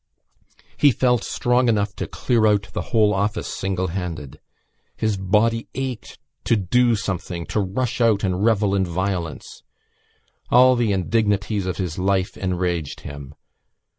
He felt strong enough to clear out the whole office singlehanded. His body ached to do something, to rush out and revel in violence. All the indignities of his life enraged him....